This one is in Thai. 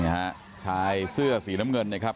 ฮะชายเสื้อสีน้ำเงินนะครับ